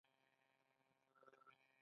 یو یو ګل مانه اخلي ټوکرۍ تشه شي.